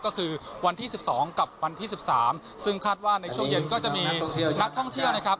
ก็คือวันที่๑๒กับวันที่๑๓ซึ่งคาดว่าในช่วงเย็นก็จะมีนักท่องเที่ยวนะครับ